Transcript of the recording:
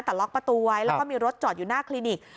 แต่ล็อกประตูไว้แล้วก็มีรถจอดอยู่หน้าคลินิก